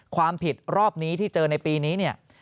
ความผิดรอบนี้ที่เจอในปีนี้เนี่ย